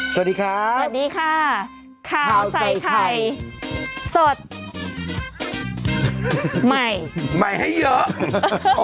สวัสดีครับสวัสดีค่ะข้าวใส่ไข่สดใหม่ใหม่ให้เยอะ